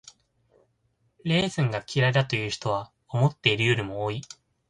レーズンが嫌いだという人は思っているよりも多い。